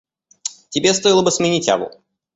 Тебе стоило бы сменить аву.